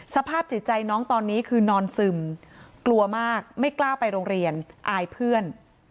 สภาพจิตใจน้องตอนนี้คือนอนซึมกลัวมากไม่กล้าไปโรงเรียนอายเพื่อน